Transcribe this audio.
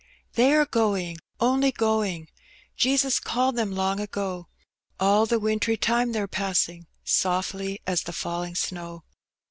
Thej are going, only going, Jeans called them long ago; All the wintry time they're passing Softly as the fidling snow.